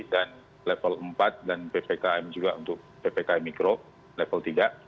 dan level empat dan ppkm juga untuk ppkm mikro level tiga